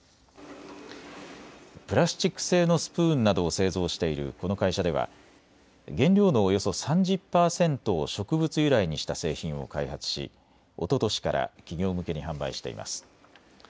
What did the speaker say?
プラスチック製のスプーンなどを製造しているこの会社では原料のおよそ３０％を植物由来にした製品を開発し、おととしから企業向けに販売しています。